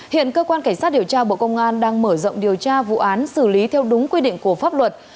hiện cơ quan cảnh sát điều tra bộ công an đang mở rộng điều tra vụ án xử lý theo đúng quy định của pháp luật